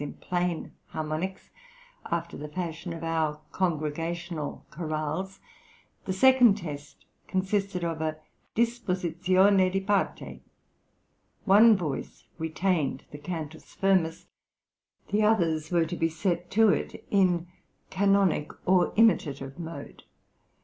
in plain harmonics, after the fashion of our congregational chorales. The second test consisted of a disposizione di parte. One voice retained the Cantus firmus, the others were to be set to it in canonic or imitative mode.